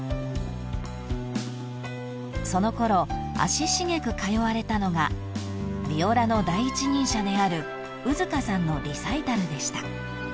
［そのころ足しげく通われたのがビオラの第一人者である兎束さんのリサイタルでした］